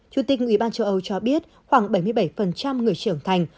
chủ tịch ủy ban châu âu cho biết khoảng bảy mươi bảy người trưởng thành